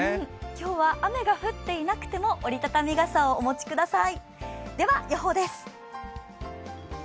今日は雨が降っていなくても折り畳み傘をお持ちください。